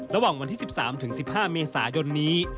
ระหว่างวันที่๑๓๑๕เมษายนนี้